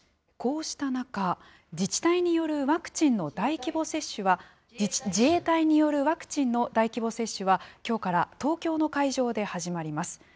こうした中、自治体によるワクチンの大規模接種は、自衛隊によるワクチンの大規模接種はきょうから東京の会場で始まります。